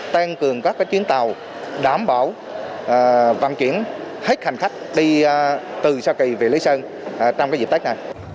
tăng cường các chuyến tàu đảm bảo vận chuyển hết hành khách đi từ xa kỳ về lý sơn trong dịp tết này